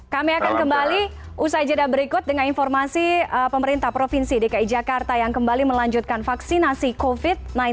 kami akan kembali usai jeda berikut dengan informasi pemerintah provinsi dki jakarta yang kembali melanjutkan vaksinasi covid sembilan belas